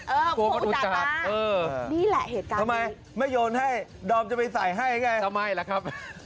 กลัวคนรู้จักนะนี่แหละเหตุการณ์ทำไมไม่โยนให้ดอมจะไปใส่ให้ไงทำไมล่ะครับ